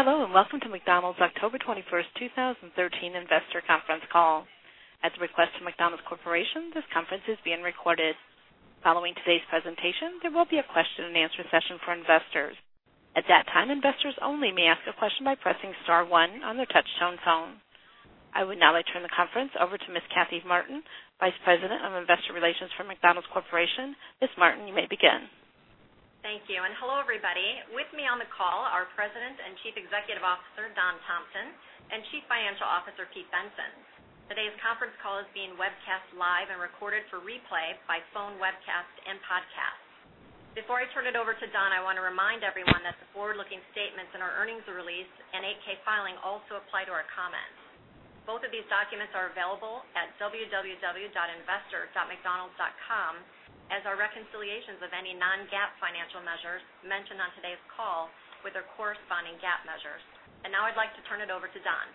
Hello, welcome to McDonald's October 21, 2013 investor conference call. At the request of McDonald's Corporation, this conference is being recorded. Following today's presentation, there will be a question and answer session for investors. At that time, investors only may ask a question by pressing star one on their touch-tone phone. I would now like to turn the conference over to Ms. Kathy Martin, Vice President of Investor Relations for McDonald's Corporation. Ms. Martin, you may begin. Thank you, hello, everybody. With me on the call are President and Chief Executive Officer, Don Thompson, and Chief Financial Officer, Peter Bensen. Today's conference call is being webcast live and recorded for replay by phone, webcast, and podcast. Before I turn it over to Don, I want to remind everyone that the forward-looking statements in our earnings release and 8-K filing also apply to our comments. Both of these documents are available at www.investor.mcdonalds.com as are reconciliations of any non-GAAP financial measures mentioned on today's call with their corresponding GAAP measures. Now I'd like to turn it over to Don.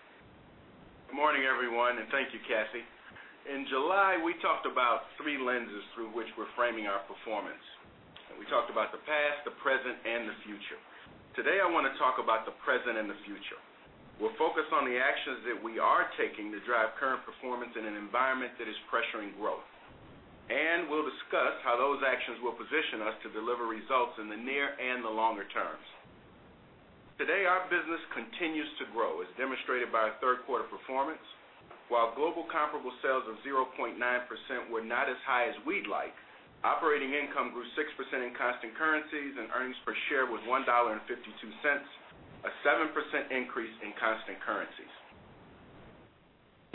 Good morning, everyone, thank you, Kathy. In July, we talked about three lenses through which we're framing our performance. We talked about the past, the present, and the future. Today, I want to talk about the present and the future. We're focused on the actions that we are taking to drive current performance in an environment that is pressuring growth. We'll discuss how those actions will position us to deliver results in the near and the longer terms. Today, our business continues to grow, as demonstrated by our third quarter performance. While global comparable sales of 0.9% were not as high as we'd like, operating income grew 6% in constant currencies and earnings per share was $1.52, a 7% increase in constant currencies.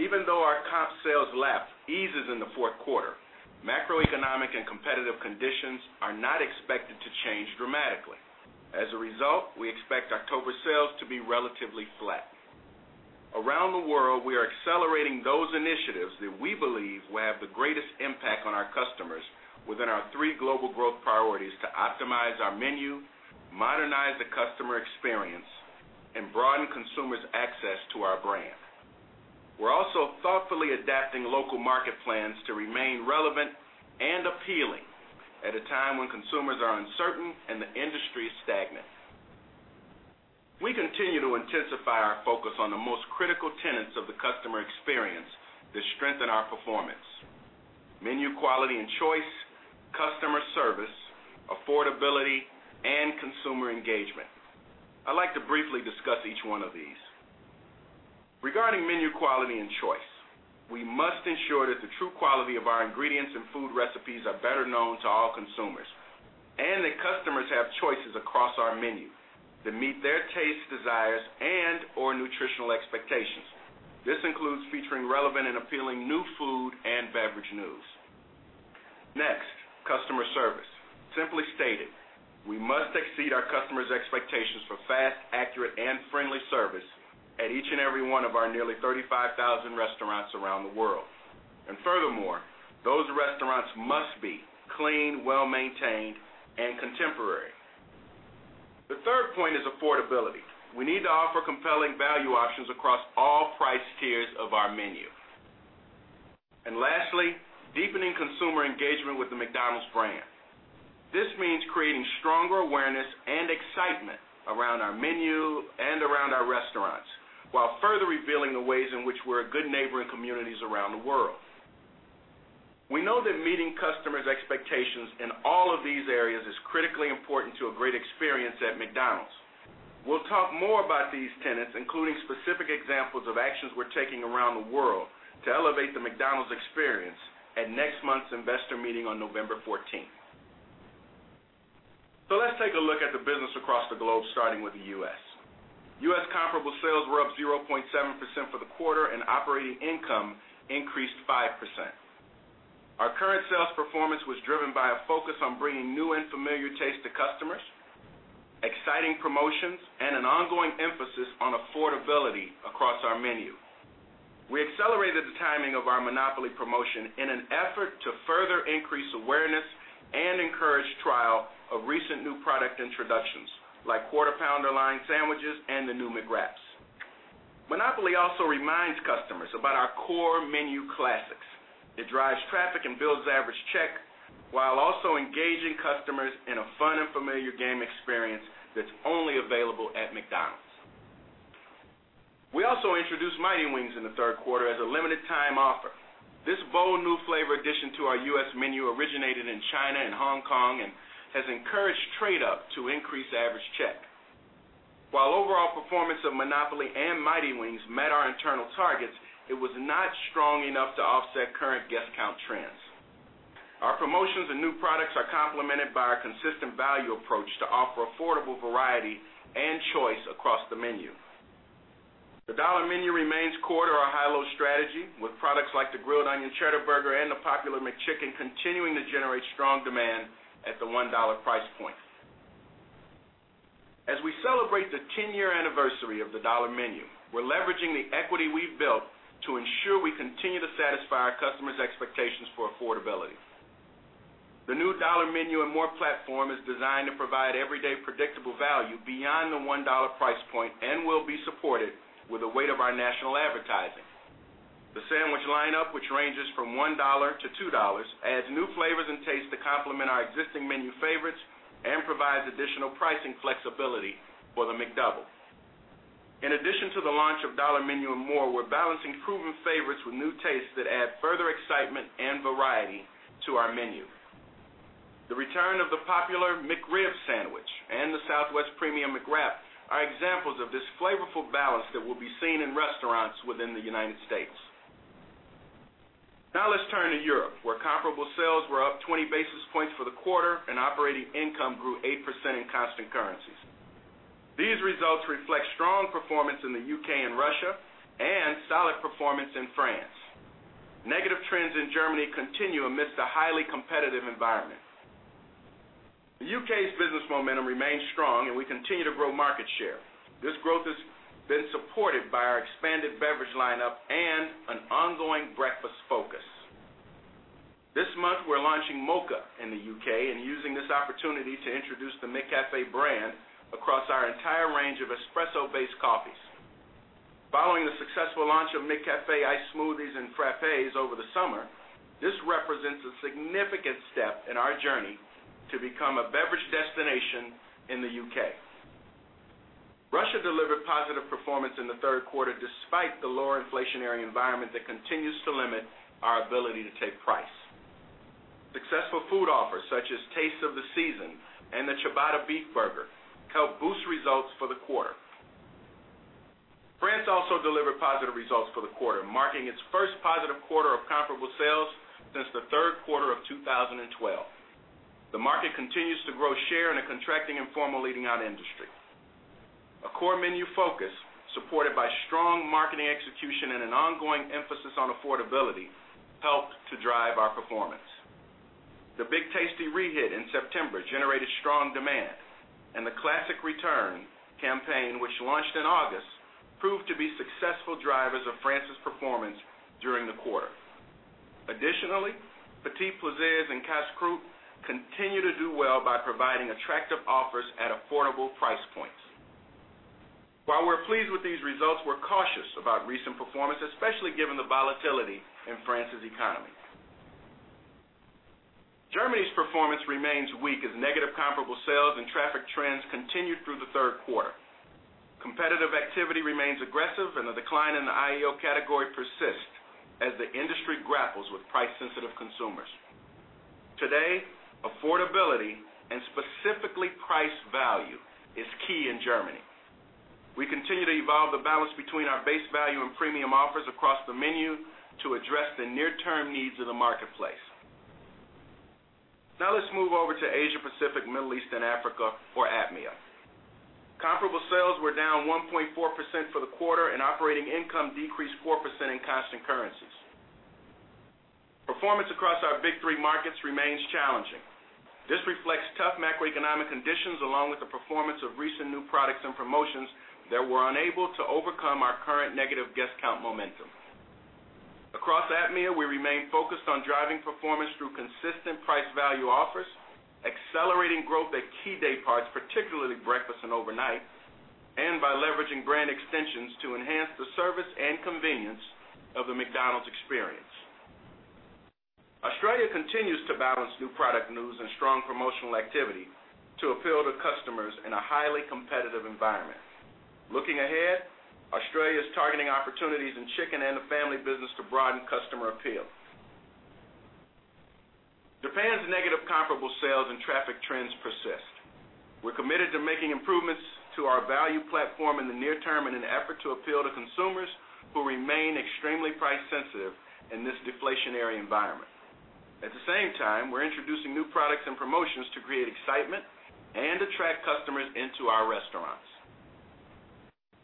Even though our comp sales lap eases in the fourth quarter, macroeconomic and competitive conditions are not expected to change dramatically. As a result, we expect October sales to be relatively flat. Around the world, we are accelerating those initiatives that we believe will have the greatest impact on our customers within our three global growth priorities to optimize our menu, modernize the customer experience, and broaden consumers' access to our brand. We're also thoughtfully adapting local market plans to remain relevant and appealing at a time when consumers are uncertain and the industry is stagnant. We continue to intensify our focus on the most critical tenets of the customer experience that strengthen our performance, menu quality and choice, customer service, affordability, and consumer engagement. I'd like to briefly discuss each one of these. Regarding menu quality and choice, we must ensure that the true quality of our ingredients and food recipes are better known to all consumers and that customers have choices across our menu that meet their taste desires and/or nutritional expectations. This includes featuring relevant and appealing new food and beverage news. Next, customer service. Simply stated, we must exceed our customers' expectations for fast, accurate, and friendly service at each and every one of our nearly 35,000 restaurants around the world. Furthermore, those restaurants must be clean, well-maintained, and contemporary. The third point is affordability. We need to offer compelling value options across all price tiers of our menu. Lastly, deepening consumer engagement with the McDonald's brand. This means creating stronger awareness and excitement around our menu and around our restaurants while further revealing the ways in which we're a good neighbor in communities around the world. We know that meeting customers' expectations in all of these areas is critically important to a great experience at McDonald's. We'll talk more about these tenets, including specific examples of actions we're taking around the world to elevate the McDonald's experience at next month's investor meeting on November 14th. Let's take a look at the business across the globe, starting with the U.S. U.S. comparable sales were up 0.7% for the quarter, and operating income increased 5%. Our current sales performance was driven by a focus on bringing new and familiar taste to customers, exciting promotions, and an ongoing emphasis on affordability across our menu. We accelerated the timing of our Monopoly promotion in an effort to further increase awareness and encourage trial of recent new product introductions like Quarter Pounder line sandwiches and the new McWraps. Monopoly also reminds customers about our core menu classics. It drives traffic and builds average check, while also engaging customers in a fun and familiar game experience that's only available at McDonald's. We also introduced Mighty Wings in the third quarter as a limited time offer. This bold new flavor addition to our U.S. menu originated in China and Hong Kong and has encouraged trade up to increase average check. While overall performance of Monopoly and Mighty Wings met our internal targets, it was not strong enough to offset current guest count trends. Our promotions and new products are complemented by our consistent value approach to offer affordable variety and choice across the menu. The Dollar Menu remains core to our high-low strategy, with products like the Grilled Onion Cheddar Burger and the popular McChicken continuing to generate strong demand at the $1 price point. As we celebrate the 10-year anniversary of the Dollar Menu, we're leveraging the equity we've built to ensure we continue to satisfy our customers' expectations for affordability. The new Dollar Menu & More platform is designed to provide everyday predictable value beyond the $1 price point and will be supported with the weight of our national advertising. The sandwich lineup, which ranges from $1 to $2, adds new flavors and tastes to complement our existing menu favorites and provides additional pricing flexibility for the McDouble. In addition to the launch of Dollar Menu & More, we're balancing proven favorites with new tastes that add further excitement and variety to our menu. The return of the popular McRib sandwich and the Southwest Premium McWrap are examples of this flavorful balance that will be seen in restaurants within the United States. Let's turn to Europe, where comparable sales were up 20 basis points for the quarter and operating income grew 8% in constant currencies. These results reflect strong performance in the U.K. and Russia and solid performance in France. Negative trends in Germany continue amidst a highly competitive environment. The U.K.'s business momentum remains strong, and we continue to grow market share. This growth has been supported by our expanded beverage lineup and an ongoing breakfast focus. This month, we're launching Mocha in the U.K. and using this opportunity to introduce the McCafé brand across our entire range of espresso-based coffees. Following the successful launch of McCafé iced smoothies and frappés over the summer, this represents a significant step in our journey to become a beverage destination in the U.K. Russia delivered positive performance in the third quarter, despite the lower inflationary environment that continues to limit our ability to take price. Successful food offers such as tastes of the season and the Ciabatta beef burger helped boost results for the quarter. France also delivered positive results for the quarter, marking its first positive quarter of comparable sales since the third quarter of 2012. The market continues to grow share in a contracting Informal Eating Out industry. A core menu focus, supported by strong marketing execution and an ongoing emphasis on affordability, helped to drive our performance. The Big Tasty re-hit in September generated strong demand, and the classic return campaign, which launched in August, proved to be successful drivers of France's performance during the quarter. Additionally, P'tits Plaisirs and Cassoulet continue to do well by providing attractive offers at affordable price points. While we're pleased with these results, we're cautious about recent performance, especially given the volatility in France's economy. Germany's performance remains weak as negative comparable sales and traffic trends continued through the third quarter. Competitive activity remains aggressive, and the decline in the IEO category persists as the industry grapples with price-sensitive consumers. Today, affordability and specifically price value is key in Germany. We continue to evolve the balance between our base value and premium offers across the menu to address the near-term needs of the marketplace. Let's move over to Asia Pacific, Middle East, and Africa or APMEA. Comparable sales were down 1.4% for the quarter, and operating income decreased 4% in constant currencies. Performance across our big three markets remains challenging. This reflects tough macroeconomic conditions, along with the performance of recent new products and promotions that were unable to overcome our current negative guest count momentum. Across APMEA, we remain focused on driving performance through consistent price value offers, accelerating growth at key day parts, particularly breakfast and overnight, and by leveraging brand extensions to enhance the service and convenience of the McDonald's experience. Australia continues to balance new product news and strong promotional activity to appeal to customers in a highly competitive environment. Looking ahead, Australia is targeting opportunities in chicken and the family business to broaden customer appeal. Japan's negative comparable sales and traffic trends persist. We're committed to making improvements to our value platform in the near term in an effort to appeal to consumers who remain extremely price-sensitive in this deflationary environment. At the same time, we're introducing new products and promotions to create excitement and attract customers into our restaurants.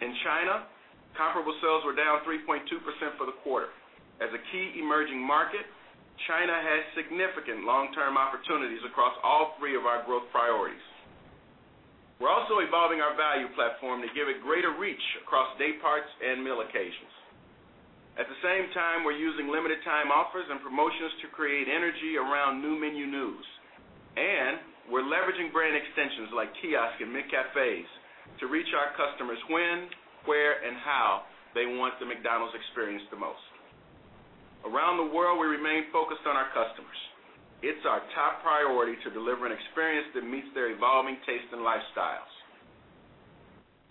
In China, comparable sales were down 3.2% for the quarter. As a key emerging market, China has significant long-term opportunities across all three of our growth priorities. We're also evolving our value platform to give it greater reach across day parts and meal occasions. At the same time, we're using limited time offers and promotions to create energy around new menu news. We're leveraging brand extensions like kiosk and McCafés to reach our customers when, where, and how they want the McDonald's experience the most. Around the world, we remain focused on our customers. It's our top priority to deliver an experience that meets their evolving tastes and lifestyles.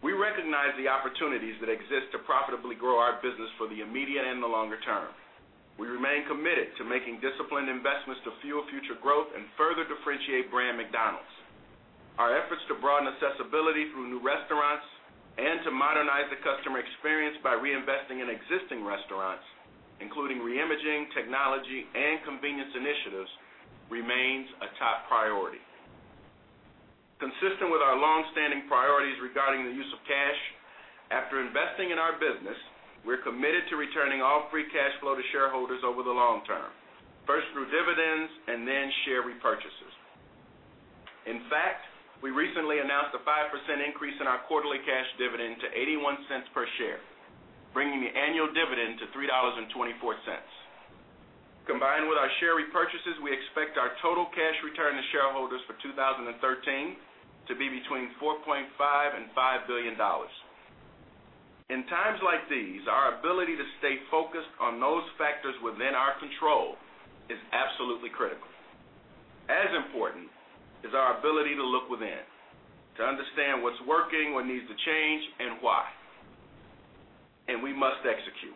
We recognize the opportunities that exist to profitably grow our business for the immediate and the longer term. We remain committed to making disciplined investments to fuel future growth and further differentiate brand McDonald's. Our efforts to broaden accessibility through new restaurants and to modernize the customer experience by reinvesting in existing restaurants, including re-imaging, technology, and convenience initiatives, remains a top priority. Consistent with our long-standing priorities regarding the use of cash, after investing in our business, we're committed to returning all free cash flow to shareholders over the long term, first through dividends and then share repurchases. In fact, we recently announced a 5% increase in our quarterly cash dividend to $0.81 per share, bringing the annual dividend to $3.24. We expect our total cash return to shareholders for 2013 to be between $4.5 billion and $5 billion. In times like these, our ability to stay focused on those factors within our control is absolutely critical. As important is our ability to look within, to understand what's working, what needs to change, and why. We must execute.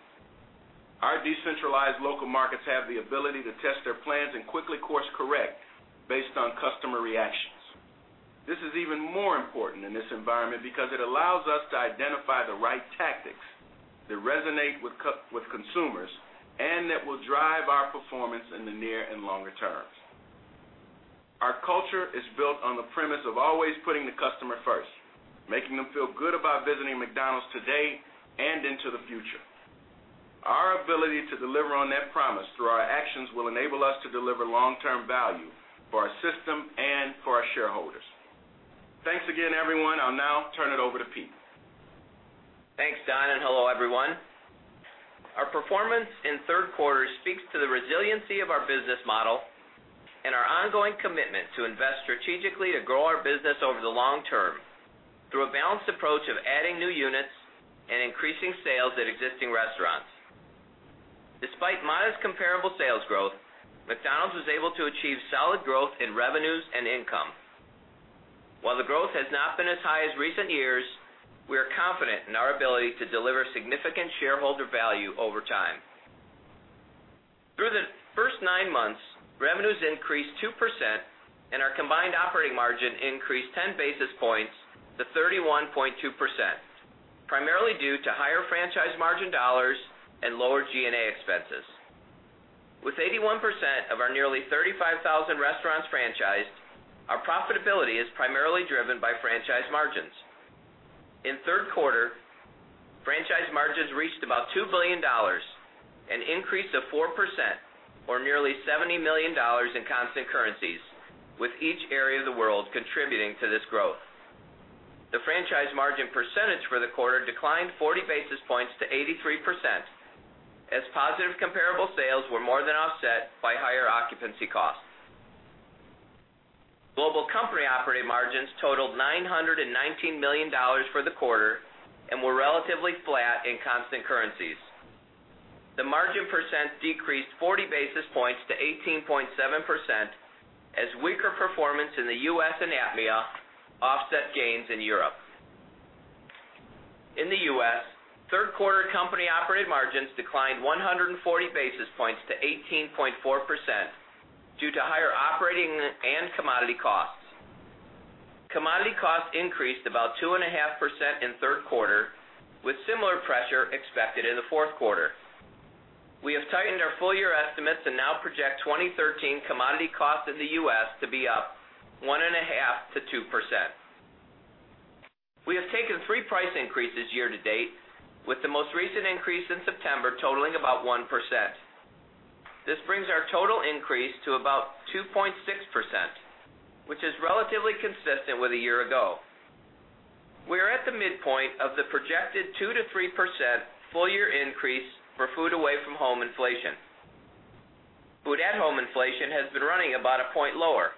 Our decentralized local markets have the ability to test their plans and quickly course correct based on customer reactions. This is even more important in this environment because it allows us to identify the right tactics that resonate with consumers, and that will drive our performance in the near and longer terms. Our culture is built on the premise of always putting the customer first, making them feel good about visiting McDonald's today and into the future. Our ability to deliver on that promise through our actions will enable us to deliver long-term value for our system and for our shareholders. Thanks again, everyone. I'll now turn it over to Pete. Thanks, Don, and hello, everyone. Our performance in third quarter speaks to the resiliency of our business model and our ongoing commitment to invest strategically to grow our business over the long term through a balanced approach of adding new units and increasing sales at existing restaurants. Despite modest comparable sales growth, McDonald's was able to achieve solid growth in revenues and income. While the growth has not been as high as recent years, we are confident in our ability to deliver significant shareholder value over time. Through the first nine months, revenues increased 2% and our combined operating margin increased 10 basis points to 31.2%, primarily due to higher franchise margin dollars and lower G&A expenses. With 81% of our nearly 35,000 restaurants franchised, our profitability is primarily driven by franchise margins. In third quarter, franchise margins reached about $2 billion, an increase of 4% or nearly $70 million in constant currencies, with each area of the world contributing to this growth. The franchise margin percentage for the quarter declined 40 basis points to 83% as positive comparable sales were more than offset by higher occupancy costs. Global company-operated margins totaled $919 million for the quarter and were relatively flat in constant currencies. The margin percent decreased 40 basis points to 18.7% as weaker performance in the U.S. and APMEA offset gains in Europe. In the U.S., third quarter company-operated margins declined 140 basis points to 18.4% due to higher operating and commodity costs. Commodity costs increased about 2.5% in third quarter, with similar pressure expected in the fourth quarter. We have tightened our full year estimates and now project 2013 commodity costs in the U.S. to be up 1.5%-2%. We have taken three price increases year-to-date, with the most recent increase in September totaling about 1%. This brings our total increase to about 2.6%, which is relatively consistent with a year ago. We are at the midpoint of the projected 2%-3% full year increase for food away from home inflation. Food at home inflation has been running about a point lower,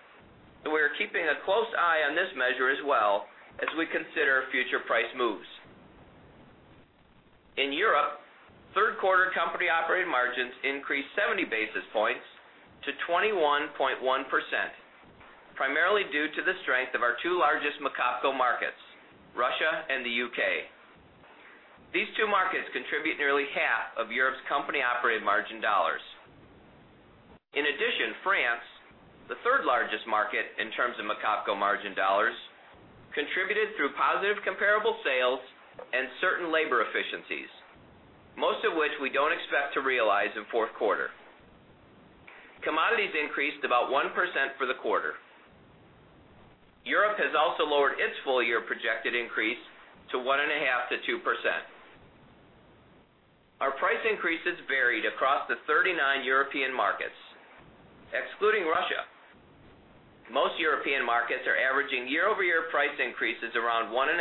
so we are keeping a close eye on this measure as well as we consider future price moves. In Europe, third quarter company-operated margins increased 70 basis points to 21.1%, primarily due to the strength of our two largest McOpCo markets, Russia and the U.K. These two markets contribute nearly half of Europe's company-operated margin dollars. In addition, France, the third largest market in terms of McOpCo margin dollars, contributed through positive comparable sales and certain labor efficiencies, most of which we don't expect to realize in fourth quarter. Commodities increased about 1% for the quarter. Europe has also lowered its full year projected increase to 1.5%-2%. Our price increases varied across the 39 European markets. Excluding Russia, most European markets are averaging year-over-year price increases around 1.5%.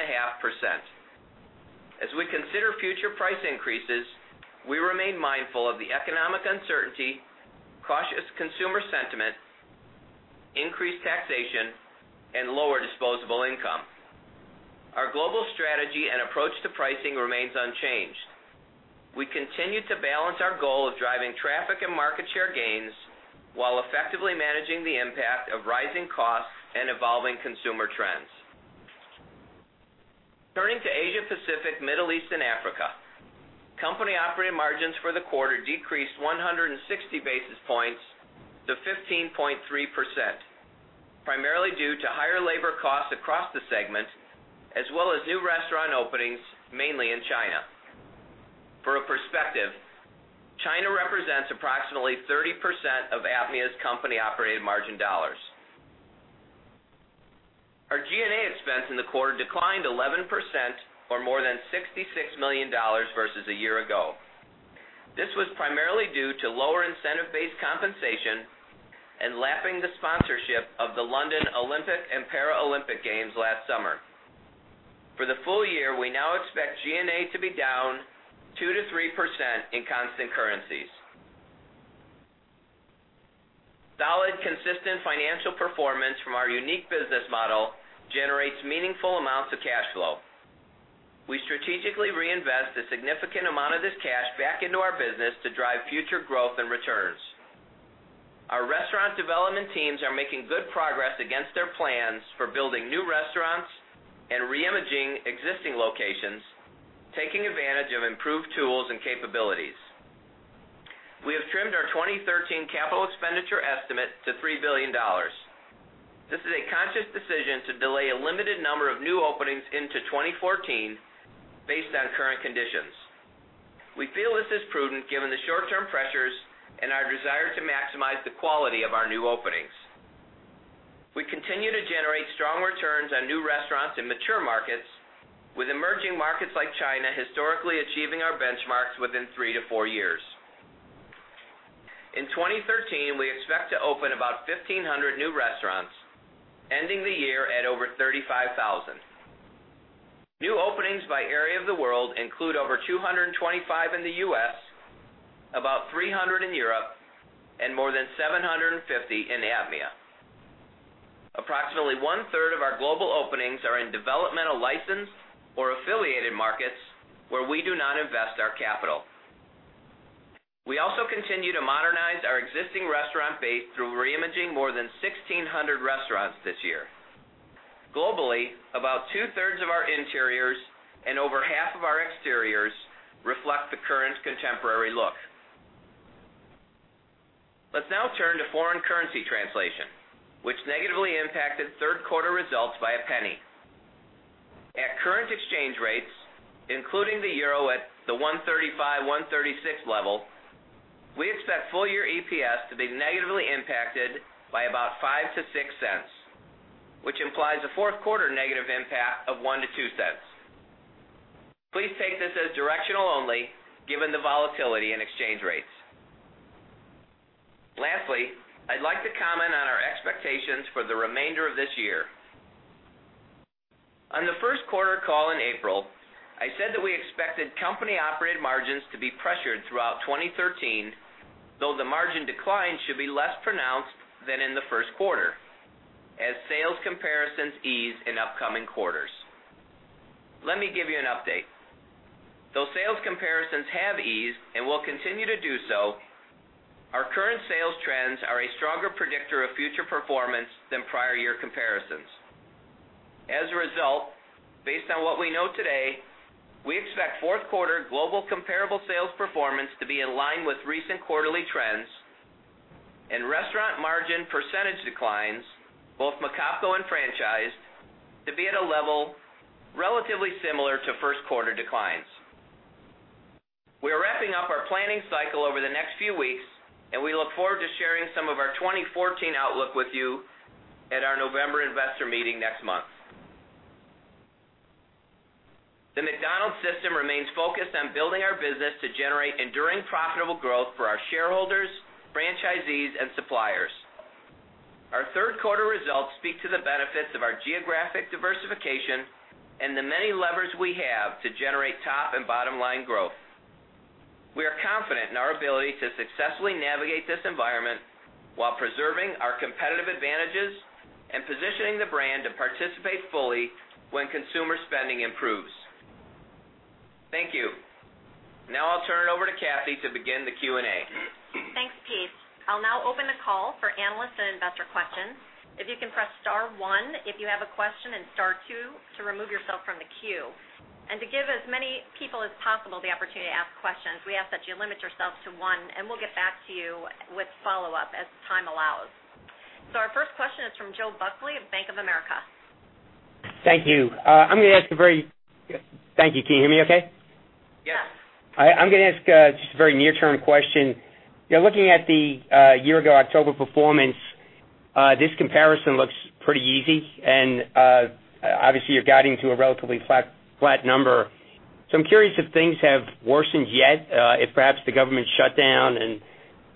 As we consider future price increases, we remain mindful of the economic uncertainty, cautious consumer sentiment, increased taxation, and lower disposable income. Our global strategy and approach to pricing remains unchanged. We continue to balance our goal of driving traffic and market share gains while effectively managing the impact of rising costs and evolving consumer trends. Turning to Asia, Pacific, Middle East, and Africa, company-operated margins for the quarter decreased 160 basis points to 15.3%, primarily due to higher labor costs across the segment, as well as new restaurant openings, mainly in China. For a perspective, China represents approximately 30% of APMEA's company-operated margin dollars. Our G&A expense in the quarter declined 11% or more than $66 million versus a year ago. This was primarily due to lower incentive-based compensation. To be down 2%-3% in constant currencies. Solid, consistent financial performance from our unique business model generates meaningful amounts of cash flow. We strategically reinvest a significant amount of this cash back into our business to drive future growth and returns. Our restaurant development teams are making good progress against their plans for building new restaurants and reimaging existing locations, taking advantage of improved tools and capabilities. We have trimmed our 2013 capital expenditure estimate to $3 billion. This is a conscious decision to delay a limited number of new openings into 2014 based on current conditions. We feel this is prudent given the short-term pressures and our desire to maximize the quality of our new openings. We continue to generate strong returns on new restaurants in mature markets, with emerging markets like China historically achieving our benchmarks within three to four years. In 2013, we expect to open about 1,500 new restaurants, ending the year at over 35,000. New openings by area of the world include over 225 in the U.S., about 300 in Europe, and more than 750 in APMEA. Approximately one-third of our global openings are in developmental license or affiliated markets where we do not invest our capital. We also continue to modernize our existing restaurant base through reimaging more than 1,600 restaurants this year. Globally, about two-thirds of our interiors and over half of our exteriors reflect the current contemporary look. Let's now turn to foreign currency translation, which negatively impacted third quarter results by $0.01. At current exchange rates, including the euro at the 135, 136 level, we expect full year EPS to be negatively impacted by about $0.05 to $0.06, which implies a fourth quarter negative impact of $0.01 to $0.02. Please take this as directional only, given the volatility in exchange rates. Lastly, I'd like to comment on our expectations for the remainder of this year. On the first quarter call in April, I said that we expected company-operated margins to be pressured throughout 2013, the margin decline should be less pronounced than in the first quarter, as sales comparisons ease in upcoming quarters. Let me give you an update. Sales comparisons have eased and will continue to do so, our current sales trends are a stronger predictor of future performance than prior year comparisons. Based on what we know today, we expect fourth quarter global comparable sales performance to be in line with recent quarterly trends, and restaurant margin percentage declines, both McOpCo and franchise, to be at a level relatively similar to first quarter declines. We are wrapping up our planning cycle over the next few weeks, we look forward to sharing some of our 2014 outlook with you at our November investor meeting next month. The McDonald's system remains focused on building our business to generate enduring profitable growth for our shareholders, franchisees, and suppliers. Our third quarter results speak to the benefits of our geographic diversification and the many levers we have to generate top and bottom-line growth. We are confident in our ability to successfully navigate this environment while preserving our competitive advantages and positioning the brand to participate fully when consumer spending improves. Thank you. Now I'll turn it over to Kathy to begin the Q&A. Thanks, Pete. I'll now open the call for analyst and investor questions. If you can press star one if you have a question, and star two to remove yourself from the queue. To give as many people as possible the opportunity to ask questions, we ask that you limit yourself to one, and we'll get back to you with follow-up as time allows. Our first question is from Joe Buckley of Bank of America. Thank you. Can you hear me okay? Yes. I'm going to ask just a very near-term question. Looking at the year-ago October performance, this comparison looks pretty easy. Obviously, you're guiding to a relatively flat number. I'm curious if things have worsened yet, if perhaps the government shutdown and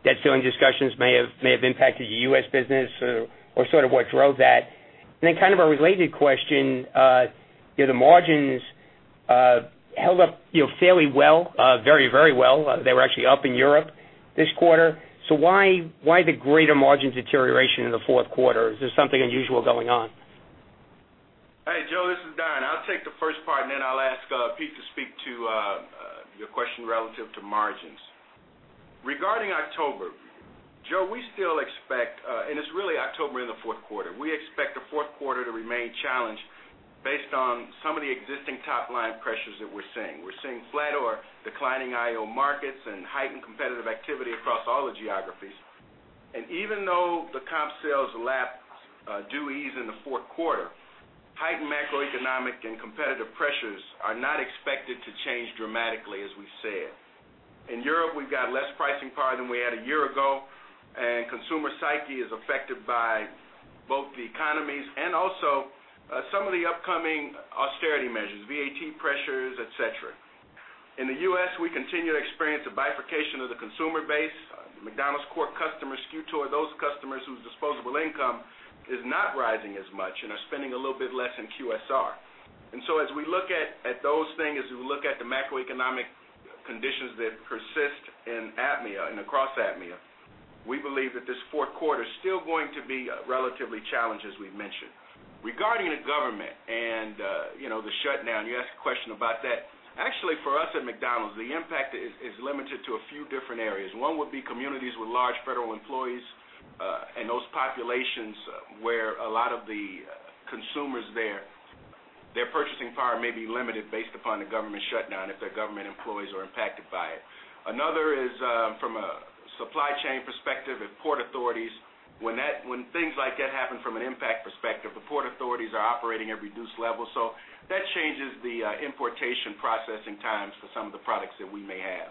debt ceiling discussions may have impacted the U.S. business or what drove that. Kind of a related question, the margins held up very well. They were actually up in Europe this quarter. Why the greater margin deterioration in the fourth quarter? Is there something unusual going on? Hey, Joe, this is Don. I'll take the first part, and then I'll ask Pete to speak to your question relative to margins. Regarding October, Joe, we still expect, and it's really October in the fourth quarter, we expect the fourth quarter to remain challenged based on some of the existing top-line pressures that we're seeing. We're seeing flat or declining IEO markets and heightened competitive activity across all the geographies. Even though the comp sales lap do ease in the fourth quarter, heightened macroeconomic and competitive pressures are not expected to change dramatically, as we've said. In Europe, we've got less pricing power than we had a year ago, and consumer psyche is affected by both the economies and also some of the upcoming austerity measures, VAT pressures, et cetera. In the U.S., we continue to experience a bifurcation of the consumer base. McDonald's core customers skew toward those customers whose disposable income is not rising as much and are spending a little bit less in QSR. As we look at those things, as we look at the macroeconomic conditions that persist in APMEA and across APMEA, we believe that this fourth quarter is still going to be relatively challenged, as we've mentioned. Regarding the government and the shutdown, you asked a question about that. Actually, for us at McDonald's, the impact is limited to a few different areas. One would be communities with large federal employees, and those populations where a lot of the consumers there, their purchasing power may be limited based upon the government shutdown if their government employees are impacted by it. Another is from a supply chain perspective at port authorities. When things like that happen from an impact perspective, the port authorities are operating at reduced levels, that changes the importation processing times for some of the products that we may have.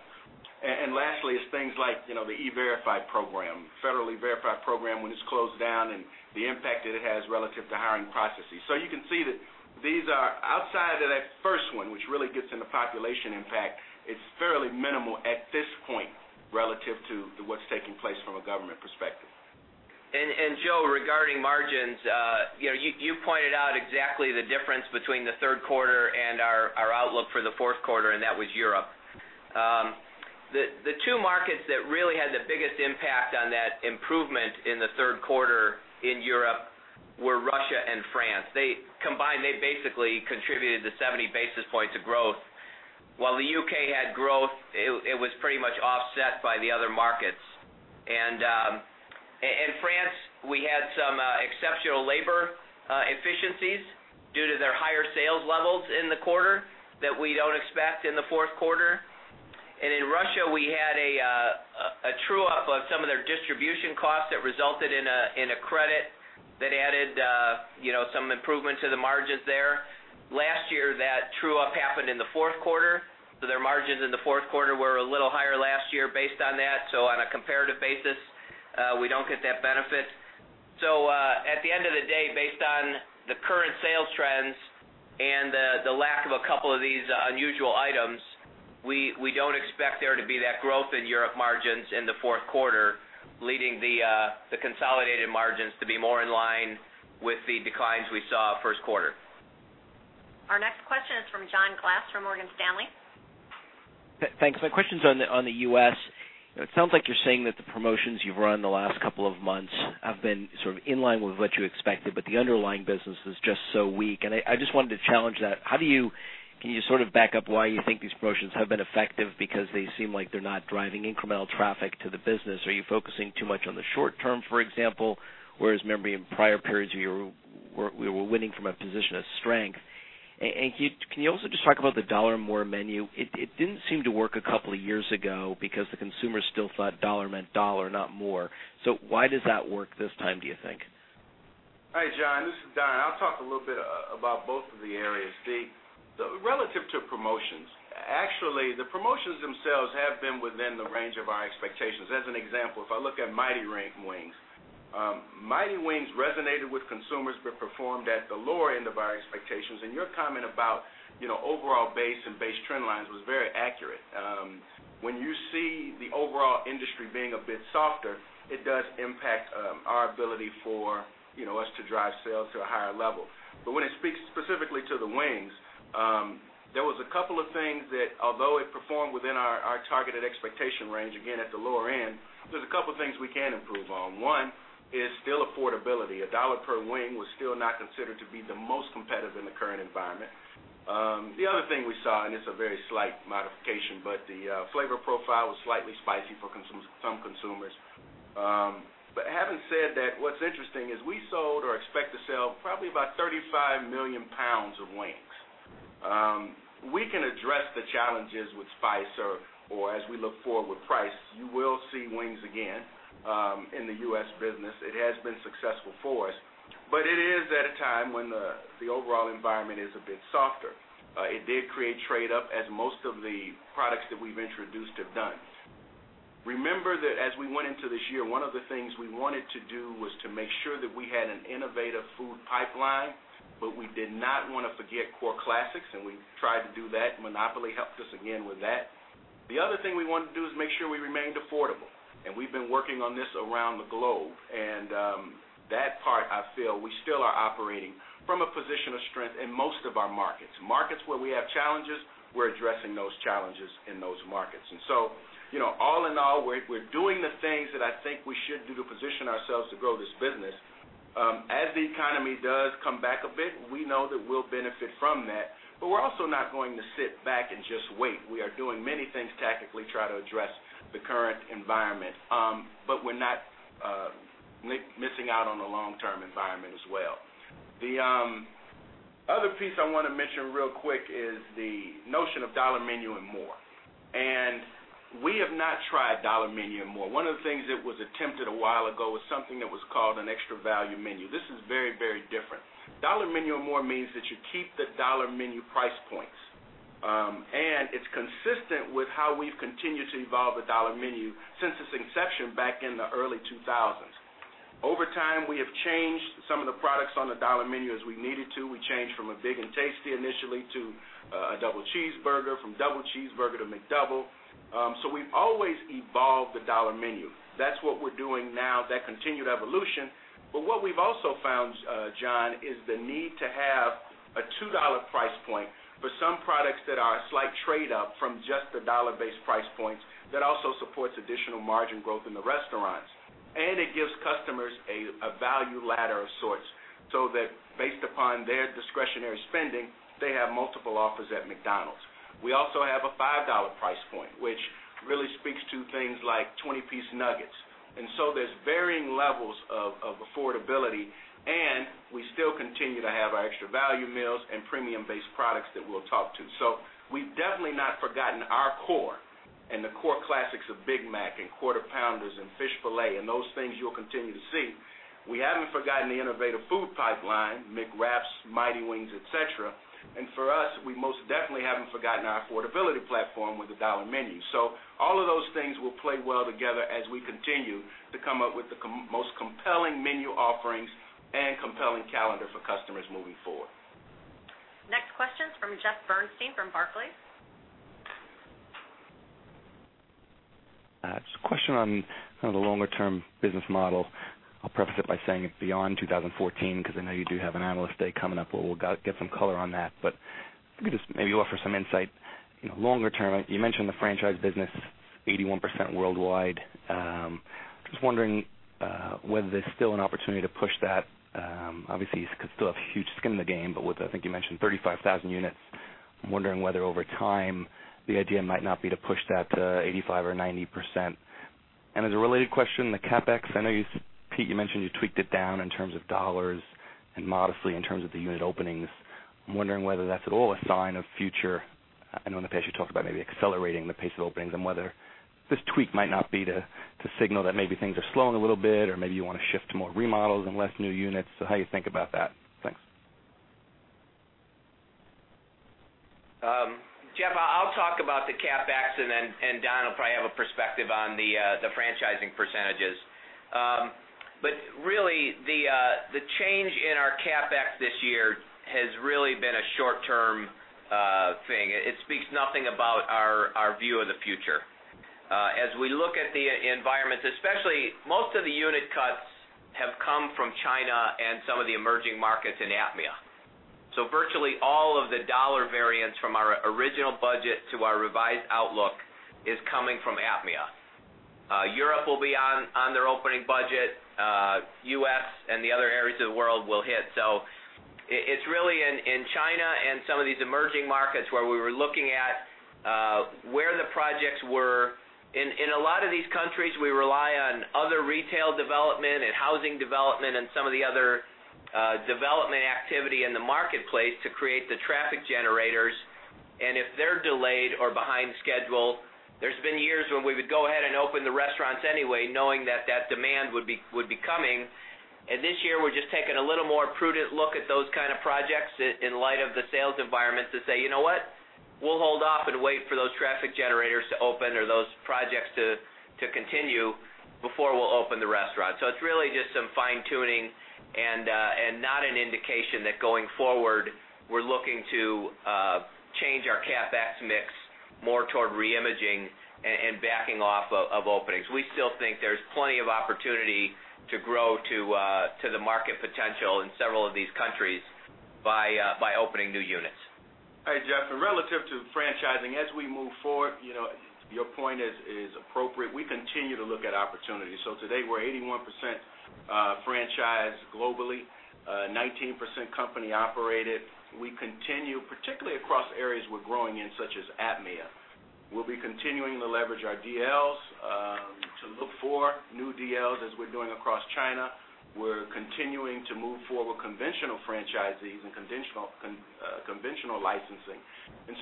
Lastly is things like the E-Verify program, federally verified program, when it's closed down and the impact that it has relative to hiring processes. You can see that these are outside of that first one, which really gets into population impact, it's fairly minimal at this point relative to what's taking place from a government perspective. Joe, regarding margins, you pointed out exactly the difference between the third quarter and our outlook for the fourth quarter, and that was Europe. The two markets that really had the biggest impact on that improvement in the third quarter in Europe were Russia and France. Combined, they basically contributed the 70 basis points of growth. While the U.K. had growth, it was pretty much offset by the other markets. France, we had some exceptional labor efficiencies due to their higher sales levels in the quarter that we don't expect in the fourth quarter. In Russia, we had a true-up of some of their distribution costs that resulted in a credit that added some improvement to the margins there. Last year, that true-up happened in the fourth quarter, so their margins in the fourth quarter were a little higher last year based on that. On a comparative basis, we don't get that benefit. At the end of the day, based on the current sales trends and the lack of a couple of these unusual items, we don't expect there to be that growth in Europe margins in the fourth quarter, leading the consolidated margins to be more in line with the declines we saw first quarter. Our next question is from John Glass from Morgan Stanley. Thanks. My question's on the U.S. It sounds like you're saying that the promotions you've run the last couple of months have been sort of in line with what you expected, but the underlying business is just so weak. I just wanted to challenge that. Can you sort of back up why you think these promotions have been effective? They seem like they're not driving incremental traffic to the business. Are you focusing too much on the short term, for example? Whereas maybe in prior periods, we were winning from a position of strength. Can you also just talk about the Dollar Menu & More? It didn't seem to work a couple of years ago because the consumer still thought dollar meant dollar, not more. Why does that work this time, do you think? Hi, John. This is Don. I'll talk a little bit about both of the areas. Relative to promotions, actually, the promotions themselves have been within the range of our expectations. As an example, if I look at Mighty Wings, Mighty Wings resonated with consumers but performed at the lower end of our expectations. Your comment about overall base and base trend lines was very accurate. When you see the overall industry being a bit softer, it does impact our ability for us to drive sales to a higher level. When it speaks specifically to the wings, there was a couple of things that although it performed within our targeted expectation range, again at the lower end, there's a couple of things we can improve on. One is still affordability. A $1 per wing was still not considered to be the most competitive in the current environment. The other thing we saw, it's a very slight modification, but the flavor profile was slightly spicy for some consumers. Having said that, what's interesting is we sold or expect to sell probably about 35 million pounds of wings. We can address the challenges with spice or as we look forward with price. You will see wings again in the U.S. business. It has been successful for us. It is at a time when the overall environment is a bit softer. It did create trade-up as most of the products that we've introduced have done. Remember that as we went into this year, one of the things we wanted to do was to make sure that we had an innovative food pipeline, but we did not want to forget core classics, and we tried to do that. Monopoly helped us again with that. The other thing we wanted to do is make sure we remained affordable, and we've been working on this around the globe. That part, I feel, we still are operating from a position of strength in most of our markets. Markets where we have challenges, we're addressing those challenges in those markets. All in all, we're doing the things that I think we should do to position ourselves to grow this business. As the economy does come back a bit, we know that we'll benefit from that, but we're also not going to sit back and just wait. We are doing many things tactically try to address the current environment, but we're not missing out on the long-term environment as well. The other piece I want to mention real quick is the notion of Dollar Menu & More. We have not tried Dollar Menu & More. One of the things that was attempted a while ago was something that was called an Extra Value Menu. This is very different. Dollar Menu & More means that you keep the Dollar Menu price points. It's consistent with how we've continued to evolve the Dollar Menu since its inception back in the early 2000s. Over time, we have changed some of the Dollar Menu as we needed to. We changed from a Big N' Tasty initially to a double cheeseburger, from double cheeseburger to McDouble. We've always evolved the Dollar Menu. That's what we're doing now, that continued evolution. What we've also found, John, is the need to have a $2 price point for some products that are a slight trade-up from just the Dollar-based price points that also supports additional margin growth in the restaurants. It gives customers a value ladder of sorts, so that based upon their discretionary spending, they have multiple offers at McDonald's. We also have a $5 price point, which really speaks to things like 20-piece nuggets, there's varying levels of affordability, and we still continue to have our extra value meals and premium-based products that we'll talk to. We've definitely not forgotten our core and the core classics of Big Mac and Quarter Pounders and Filet-O-Fish and those things you'll continue to see. We haven't forgotten the innovative food pipeline, McWraps, Mighty Wings, et cetera. For us, we most definitely haven't forgotten our affordability platform with the Dollar Menu. All of those things will play well together as we continue to come up with the most compelling menu offerings and compelling calendar for customers moving forward. Next question is from Jeffrey Bernstein from Barclays. It's a question on the longer-term business model. I'll preface it by saying it's beyond 2014 because I know you do have an Analyst Day coming up, where we'll get some color on that. If you could just maybe offer some insight, longer term. You mentioned the franchise business, 81% worldwide. Just wondering whether there's still an opportunity to push that. Obviously, you still have huge skin in the game, but with, I think you mentioned 35,000 units, I'm wondering whether over time the idea might not be to push that to 85 or 90%. As a related question, the CapEx, I know, Pete, you mentioned you tweaked it down in terms of dollars and modestly in terms of the unit openings. I'm wondering whether that's at all a sign of future. I know in the past you talked about maybe accelerating the pace of openings and whether this tweak might not be to signal that maybe things are slowing a little bit or maybe you want to shift to more remodels and less new units. How you think about that? Thanks. Jeff, I'll talk about the CapEx, and then Don will probably have a perspective on the franchising percentages. Really, the change in our CapEx this year has really been a short-term thing. It speaks nothing about our view of the future. As we look at the environment, especially most of the unit cuts have come from China and some of the emerging markets in APMEA. Virtually all of the dollar variance from our original budget to our revised outlook is coming from APMEA. Europe will be on their opening budget. U.S. and the other areas of the world will hit. It's really in China and some of these emerging markets where we were looking at where the projects were. In a lot of these countries, we rely on other retail development and housing development and some of the other development activity in the marketplace to create the traffic generators. If they're delayed or behind schedule, there's been years when we would go ahead and open the restaurants anyway, knowing that that demand would be coming. This year, we're just taking a little more prudent look at those kind of projects in light of the sales environment to say, "You know what? We'll hold off and wait for those traffic generators to open or those projects to continue before we'll open the restaurant." It's really just some fine-tuning and not an indication that going forward, we're looking to change our CapEx mix more toward re-imaging and backing off of openings. We still think there's plenty of opportunity to grow to the market potential in several of these countries by opening new units. Hi, Jeff. Relative to franchising, as we move forward, your point is appropriate. We continue to look at opportunities. Today, we are 81% franchised globally, 19% company operated. We continue, particularly across areas we are growing in, such as APMEA. We will be continuing to leverage our DLs to look for new DLs as we are doing across China. We are continuing to move forward with conventional franchisees and conventional licensing.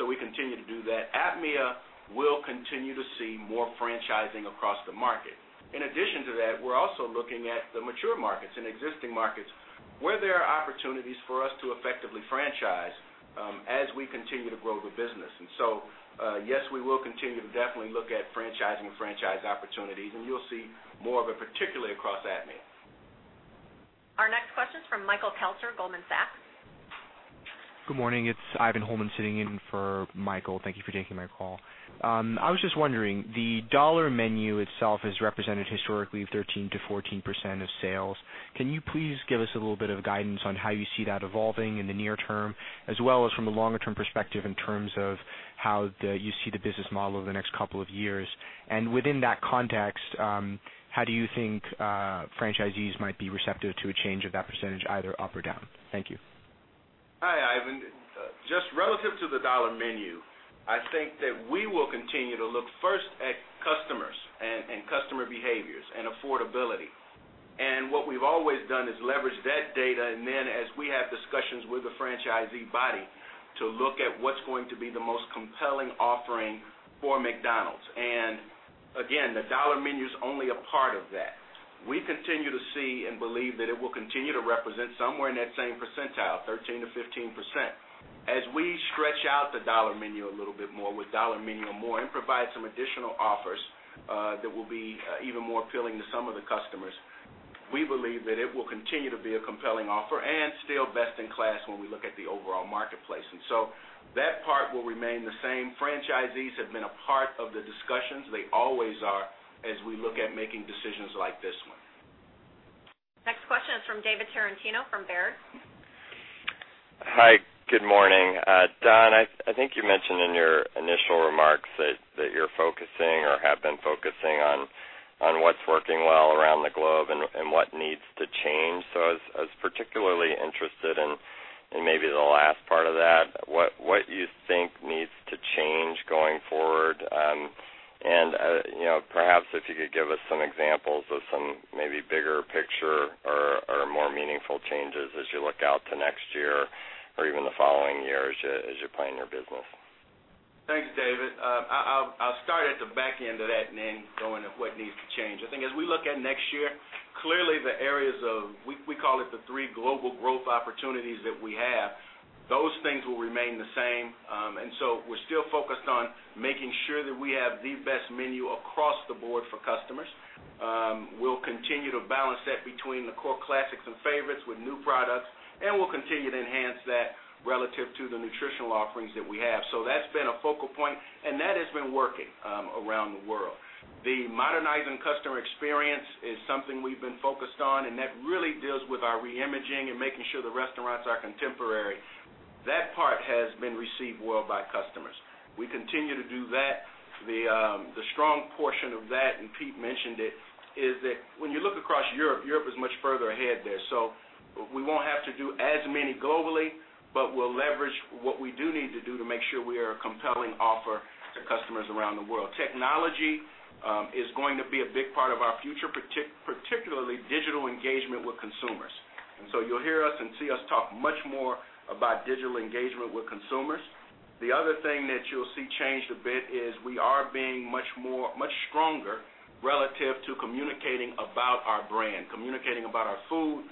We continue to do that. APMEA will continue to see more franchising across the market. In addition to that, we are also looking at the mature markets and existing markets where there are opportunities for us to effectively franchise as we continue to grow the business. Yes, we will continue to definitely look at franchising and franchise opportunities, and you will see more of it, particularly across APMEA. Our next question is from Michael Kelter, Goldman Sachs. Good morning. It is Ivan Holman sitting in for Michael. Thank you for taking my call. I was just wondering, the Dollar Menu itself has represented historically 13%-14% of sales. Can you please give us a little bit of guidance on how you see that evolving in the near term, as well as from a longer-term perspective in terms of how you see the business model over the next couple of years? Within that context, how do you think franchisees might be receptive to a change of that percentage, either up or down? Thank you. Hi, Ivan. Just relative to the Dollar Menu, I think that we will continue to look first at customers and customer behaviors and affordability. What we've always done is leverage that data, then as we have discussions with the franchisee body to look at what's going to be the most compelling offering for McDonald's. Again, the Dollar Menu is only a part of that. We continue to see and believe that it will continue to represent somewhere in that same percentile, 13%-15%. As we stretch out the Dollar Menu a little bit more with Dollar Menu & More, provide some additional offers that will be even more appealing to some of the customers, we believe that it will continue to be a compelling offer and still best in class when we look at the overall marketplace. That part will remain the same. Franchisees have been a part of the discussions. They always are as we look at making decisions like this one. Next question is from David Tarantino from Baird. Hi, good morning. Don, I think you mentioned in your initial remarks that you're focusing or have been focusing on what's working well around the globe and what needs to change. I was particularly interested in maybe the last part of that, what you think needs to change going forward. Perhaps if you could give us some examples of some maybe bigger picture or more meaningful changes as you look out to next year, or even the following years as you're planning your business. Thanks, David. I'll start at the back end of that and then go into what needs to change. I think as we look at next year, clearly the areas of, we call it the three Global Growth Opportunities that we have, those things will remain the same. We're still focused on making sure that we have the best menu across the board for customers. We'll continue to balance that between the core classics and favorites with new products. We'll continue to enhance that relative to the nutritional offerings that we have. That's been a focal point. That has been working around the world. The Modernizing Customer Experience is something we've been focused on. That really deals with our re-imaging and making sure the restaurants are contemporary. That part has been received well by customers. We continue to do that. The strong portion of that, Pete mentioned it, is that when you look across Europe is much further ahead there. We won't have to do as many globally, but we'll leverage what we do need to do to make sure we are a compelling offer to customers around the world. Technology is going to be a big part of our future, particularly digital engagement with consumers. You'll hear us and see us talk much more about digital engagement with consumers. The other thing that you'll see change a bit is we are being much stronger relative to communicating about our brand, communicating about our food.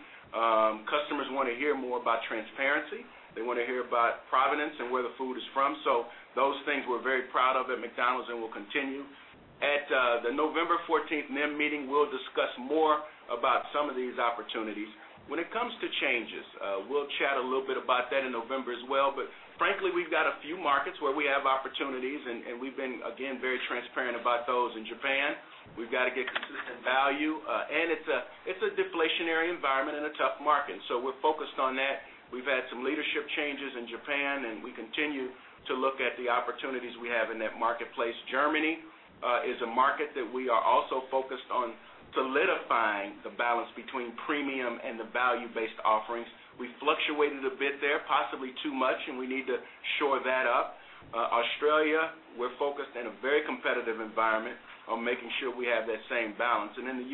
Customers want to hear more about transparency. They want to hear about provenance and where the food is from. Those things we're very proud of at McDonald's and will continue. At the November 14th NEM meeting, we'll discuss more about some of these opportunities. When it comes to changes, we'll chat a little bit about that in November as well. Frankly, we've got a few markets where we have opportunities. We've been, again, very transparent about those. In Japan, we've got to get consistent value. It's a deflationary environment, a tough market. We're focused on that. We've had some leadership changes in Japan. We continue to look at the opportunities we have in that marketplace. Germany is a market that we are also focused on solidifying the balance between premium and the value-based offerings. We fluctuated a bit there, possibly too much. We need to shore that up. Australia, we're focused in a very competitive environment on making sure we have that same balance. In the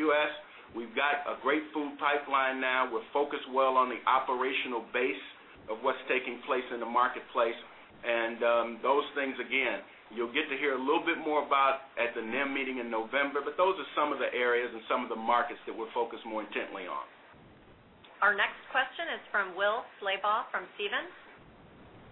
U.S., we've got a great food pipeline now. We're focused well on the operational base of what's taking place in the marketplace. Those things, again, you'll get to hear a little bit more about at the NEM meeting in November. Those are some of the areas and some of the markets that we're focused more intently on. Our next question is from Will Slabaugh from Stephens.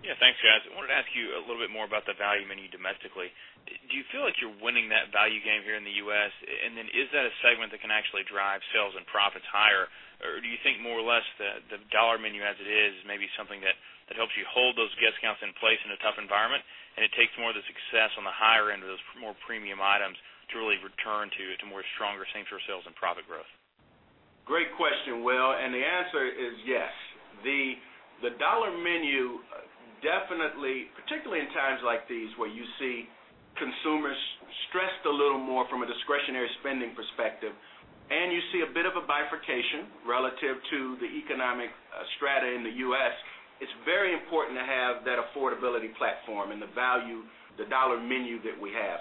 Yeah, thanks, guys. I wanted to ask you a little bit more about the value menu domestically. Do you feel like you're winning that value game here in the U.S.? Is that a segment that can actually drive sales and profits higher? Or do you think more or less the Dollar Menu as it is maybe something that helps you hold those guest counts in place in a tough environment, it takes more of the success on the higher end of those more premium items to really return to more stronger same store sales and profit growth? Great question, Will, the answer is yes. The Dollar Menu definitely, particularly in times like these, where you see consumers stressed a little more from a discretionary spending perspective, you see a bit of a bifurcation relative to the economic strata in the U.S., it's very important to have that affordability platform and the value, the Dollar Menu that we have.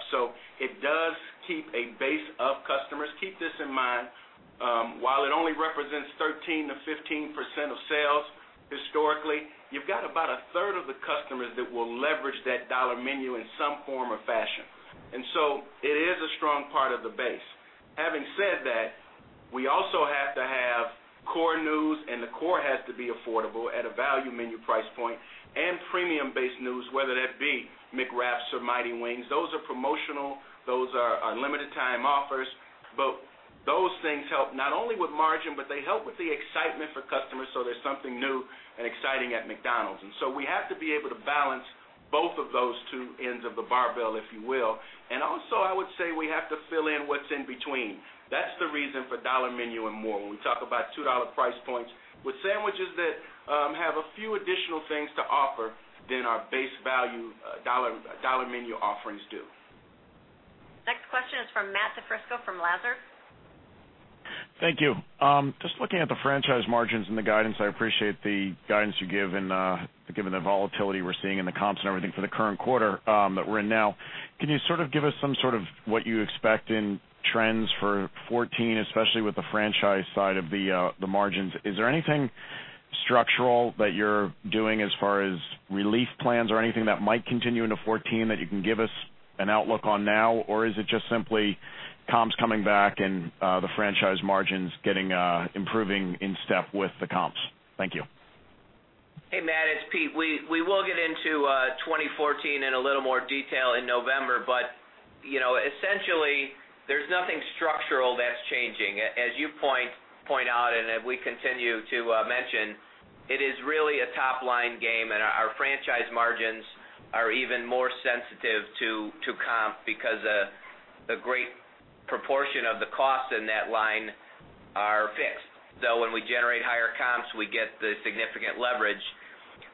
It does keep a base of customers. Keep this in mind. While it only represents 13%-15% of sales historically, you've got about a third of the customers that will leverage that Dollar Menu in some form or fashion. It is a strong part of the base. Having said that, we also have to have core news, the core has to be affordable at a value menu price point and premium-based news, whether that be McWrap or Mighty Wings. Those are promotional. Those are limited time offers. But those things help not only with margin, but they help with the excitement for customers so there's something new and exciting at McDonald's. We have to be able to balance both of those two ends of the barbell, if you will. Also, I would say we have to fill in what's in between. That's the reason for Dollar Menu & More. When we talk about $2 price points with sandwiches that have a few additional things to offer than our base value Dollar Menu offerings do. Next question is from Matthew DiFrisco from Lazard. Thank you. Just looking at the franchise margins and the guidance, I appreciate the guidance you give and given the volatility we're seeing in the comps and everything for the current quarter that we're in now. Can you give us some sort of what you expect in trends for 2014, especially with the franchise side of the margins? Is there anything structural that you're doing as far as relief plans or anything that might continue into 2014 that you can give us an outlook on now? Or is it just simply comps coming back and the franchise margins improving in step with the comps. Thank you. Hey, Matt, it's Pete. We will get into 2014 in a little more detail in November. Essentially, there's nothing structural that's changing. As you point out, and as we continue to mention, it is really a top-line game, and our franchise margins are even more sensitive to comp because a great proportion of the costs in that line are fixed. When we generate higher comps, we get the significant leverage.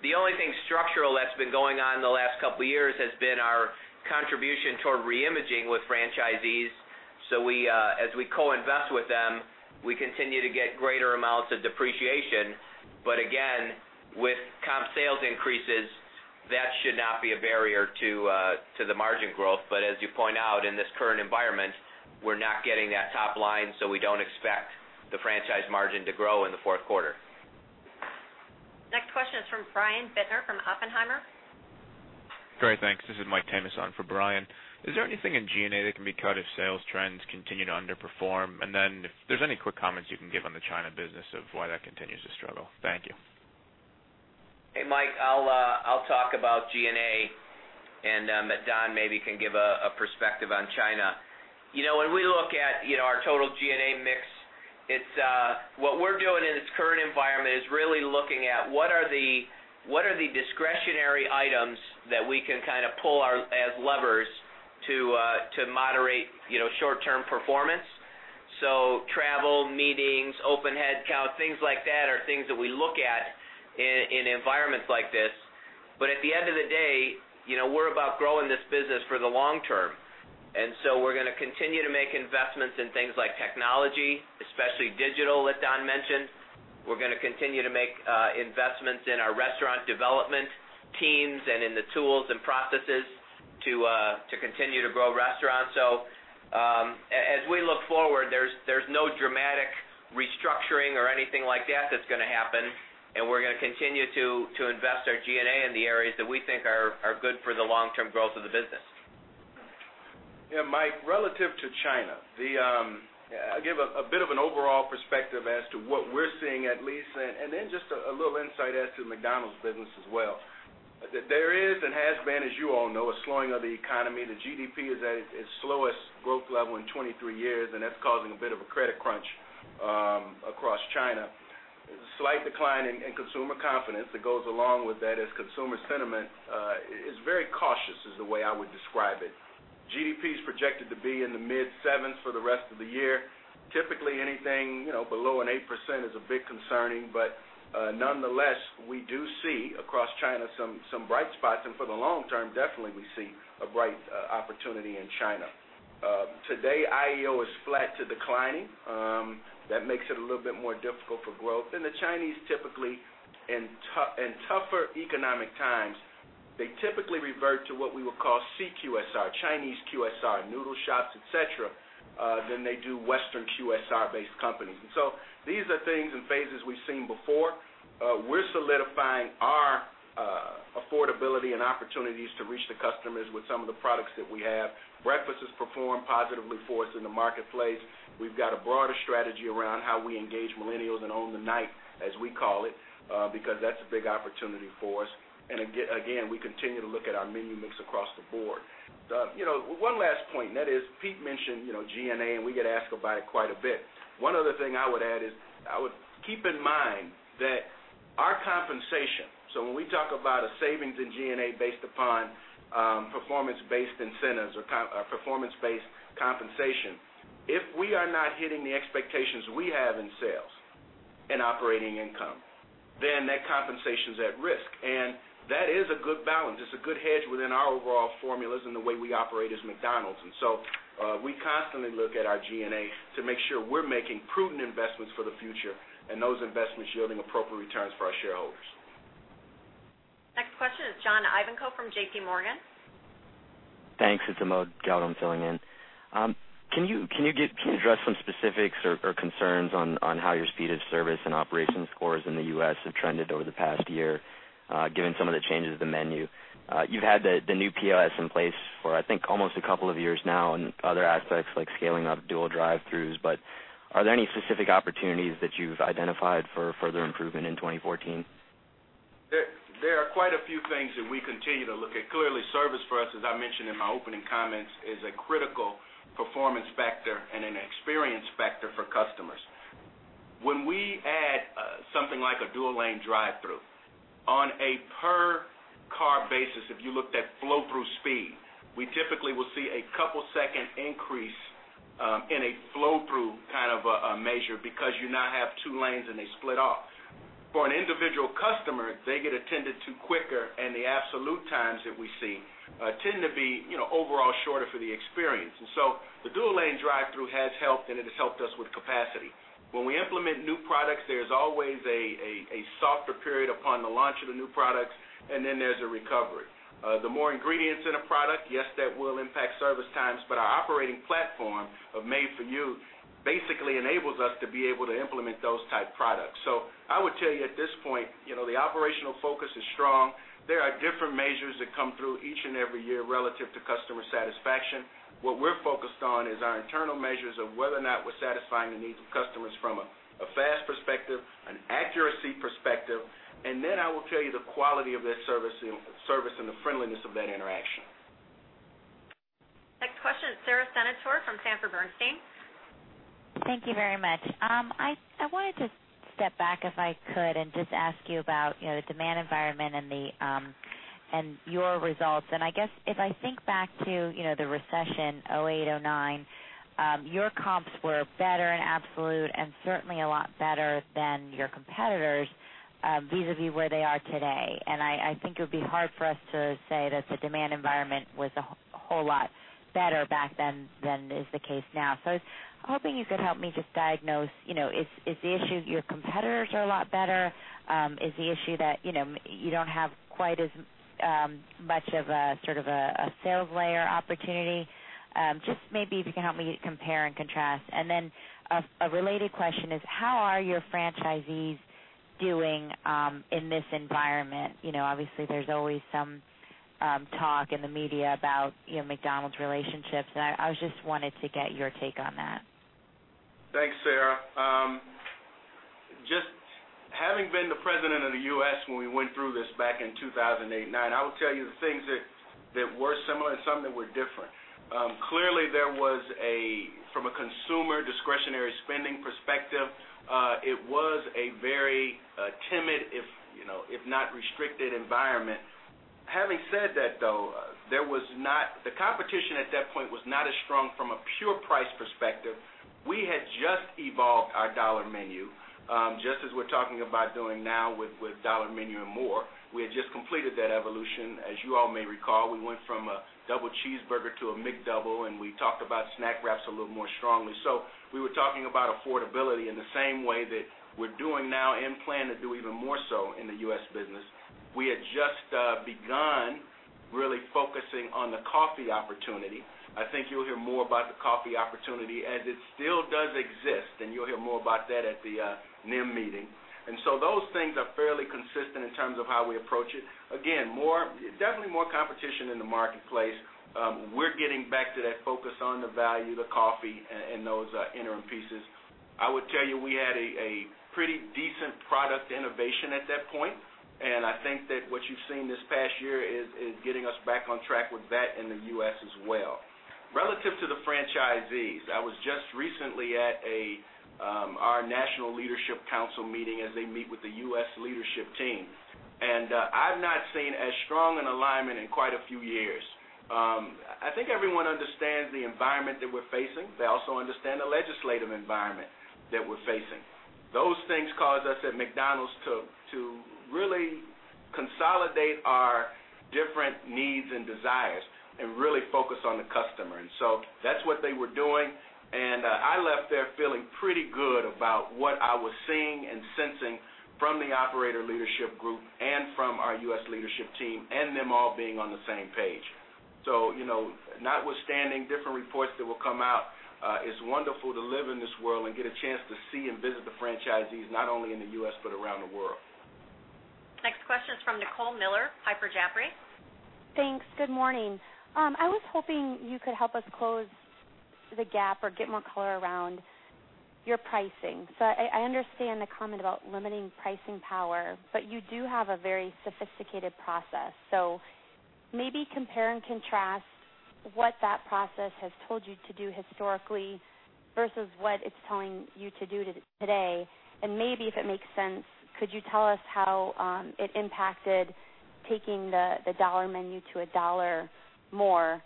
The only thing structural that's been going on in the last couple of years has been our contribution toward reimaging with franchisees. As we co-invest with them, we continue to get greater amounts of depreciation. Again, with comp sales increases, that should not be a barrier to the margin growth. As you point out, in this current environment, we're not getting that top line, so we don't expect the franchise margin to grow in the fourth quarter. Next question is from Brian Bittner from Oppenheimer. Great. Thanks. This is Michael Tamas for Brian. Is there anything in G&A that can be cut if sales trends continue to underperform? If there's any quick comments you can give on the China business of why that continues to struggle. Thank you. Hey, Mike, I'll talk about G&A. Don maybe can give a perspective on China. When we look at our total G&A mix, what we're doing in this current environment is really looking at what are the discretionary items that we can pull as levers to moderate short-term performance. Travel, meetings, open headcount, things like that are things that we look at in environments like this. At the end of the day, we're about growing this business for the long term. We're going to continue to make investments in things like technology, especially digital, that Don mentioned. We're going to continue to make investments in our restaurant development teams and in the tools and processes to continue to grow restaurants. As we look forward, there's no dramatic restructuring or anything like that that's going to happen. We're going to continue to invest our G&A in the areas that we think are good for the long-term growth of the business. Yeah, Mike, relative to China, I'll give a bit of an overall perspective as to what we're seeing, at least, and then just a little insight as to McDonald's business as well. There is, and has been, as you all know, a slowing of the economy. The GDP is at its slowest growth level in 23 years, and that's causing a bit of a credit crunch across China. Slight decline in consumer confidence that goes along with that is consumer sentiment is very cautious, is the way I would describe it. GDP is projected to be in the mid-sevens for the rest of the year. Typically, anything below an 8% is a bit concerning, but nonetheless, we do see across China some bright spots, and for the long-term, definitely we see a bright opportunity in China. Today, IEO is flat to declining. That makes it a little bit more difficult for growth. The Chinese typically, in tougher economic times, they typically revert to what we would call CQSR, Chinese QSR, noodle shops, et cetera, than they do Western QSR-based companies. These are things and phases we've seen before. We're solidifying our affordability and opportunities to reach the customers with some of the products that we have. Breakfast has performed positively for us in the marketplace. We've got a broader strategy around how we engage millennials and own the night, as we call it, because that's a big opportunity for us. We continue to look at our menu mix across the board. One last point, and that is Pete mentioned G&A, and we get asked about it quite a bit. One other thing I would add is I would keep in mind that our compensation, so when we talk about a savings in G&A based upon performance-based incentives or performance-based compensation, if we are not hitting the expectations we have in sales and operating income, then that compensation is at risk. That is a good balance. It's a good hedge within our overall formulas and the way we operate as McDonald's. We constantly look at our G&A to make sure we're making prudent investments for the future, and those investments yielding appropriate returns for our shareholders. Next question is John Ivankoe from JPMorgan. Thanks. It's Amod Gautam filling in. Can you address some specifics or concerns on how your speed of service and operations scores in the U.S. have trended over the past year, given some of the changes to the menu? You've had the new POS in place for, I think, almost a couple of years now and other aspects like scaling up dual drive-throughs. Are there any specific opportunities that you've identified for further improvement in 2014? There are quite a few things that we continue to look at. Clearly, service for us, as I mentioned in my opening comments, is a critical performance factor and an experience factor for customers. When we add something like a dual lane drive-through, on a per car basis, if you looked at flow-through speed, we typically will see a couple second increase in a flow-through kind of a measure because you now have two lanes and they split off. For an individual customer, they get attended to quicker, and the absolute times that we see tend to be overall shorter for the experience. The dual lane drive-through has helped, and it has helped us with capacity. When we implement new products, there's always a softer period upon the launch of the new products, and then there's a recovery. The more ingredients in a product, yes, that will impact service times, but our operating platform of Made For You Basically enables us to be able to implement those type products. I would tell you at this point, the operational focus is strong. There are different measures that come through each and every year relative to customer satisfaction. What we're focused on is our internal measures of whether or not we're satisfying the needs of customers from a fast perspective, an accuracy perspective, and then I will tell you the quality of that service and the friendliness of that interaction. Next question is Sara Senatore from Sanford Bernstein. Thank you very much. I wanted to step back, if I could, and just ask you about the demand environment and your results. I guess if I think back to the recession, 2008, 2009, your comps were better in absolute and certainly a lot better than your competitors, vis-a-vis where they are today. I think it would be hard for us to say that the demand environment was a whole lot better back then than is the case now. I was hoping you could help me just diagnose, is the issue your competitors are a lot better? Is the issue that you don't have quite as much of a sales layer opportunity? Just maybe if you can help me compare and contrast. Then a related question is, how are your franchisees doing in this environment? Obviously, there's always some talk in the media about McDonald's relationships, I just wanted to get your take on that. Thanks, Sara. Just having been the president of the U.S. when we went through this back in 2008 and 2009, I will tell you the things that were similar and some that were different. Clearly, there was, from a consumer discretionary spending perspective, it was a very timid, if not restricted environment. Having said that, though, the competition at that point was not as strong from a pure price perspective. We had just evolved our Dollar Menu, just as we're talking about doing now with Dollar Menu & More. We had just completed that evolution. As you all may recall, we went from a double cheeseburger to a McDouble, and we talked about Snack Wrap a little more strongly. We were talking about affordability in the same way that we're doing now and plan to do even more so in the U.S. business. We had just begun really focusing on the coffee opportunity. I think you'll hear more about the coffee opportunity as it still does exist, and you'll hear more about that at the NIM meeting. Those things are fairly consistent in terms of how we approach it. Definitely more competition in the marketplace. We're getting back to that focus on the value, the coffee, and those interim pieces. I would tell you we had a pretty decent product innovation at that point, and I think that what you've seen this past year is getting us back on track with that in the U.S. as well. Relative to the franchisees, I was just recently at our National Leadership Council meeting as they meet with the U.S. leadership team, and I've not seen as strong an alignment in quite a few years. I think everyone understands the environment that we're facing. They also understand the legislative environment that we're facing. Those things cause us at McDonald's to really consolidate our different needs and desires and really focus on the customer. That's what they were doing. I left there feeling pretty good about what I was seeing and sensing from the operator leadership group and from our U.S. leadership team and them all being on the same page. Notwithstanding different reports that will come out, it's wonderful to live in this world and get a chance to see and visit the franchisees, not only in the U.S. but around the world. Next question is from Nicole Miller, Piper Jaffray. Thanks. Good morning. I was hoping you could help us close the gap or get more color around your pricing. I understand the comment about limiting pricing power, but you do have a very sophisticated process. Maybe compare and contrast what that process has told you to do historically versus what it's telling you to do today. Maybe if it makes sense, could you tell us how it impacted taking the Dollar Menu to a Dollar More?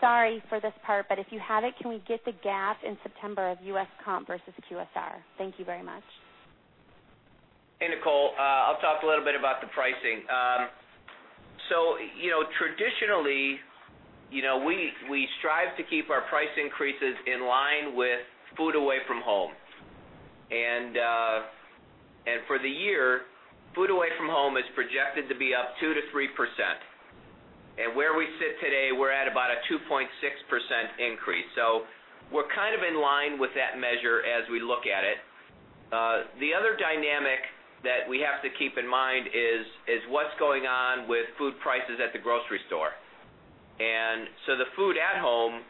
Sorry for this part, but if you have it, can we get the gap in September of U.S. comp versus QSR? Thank you very much. Hey, Nicole. I'll talk a little bit about the pricing. Traditionally, we strive to keep our price increases in line with food away from home. For the year, food away from home is projected to be up 2%-3%. Where we sit today, we're at about a 2.6% increase. We're kind of in line with that measure as we look at it. The other dynamic that we have to keep in mind is what's going on with food prices at the grocery store. The food at home